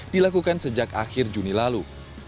dilakukan sejak akhir juni lalu